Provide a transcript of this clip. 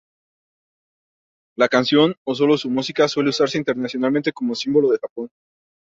La canción o sólo su música suele usarse internacionalmente como símbolo de Japón.